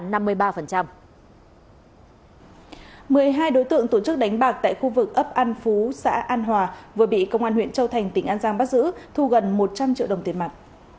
một mươi hai đối tượng tổ chức đánh bạc tại khu vực ấp an phú xã an hòa vừa bị công an huyện châu thành tỉnh an giang bắt giữ thu gần một trăm linh triệu đồng tiền mặt